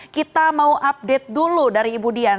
kita mau update dulu dari ibu dian